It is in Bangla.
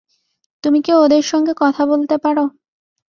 তুমি কি ওদের সঙ্গে কথা বলতে পার?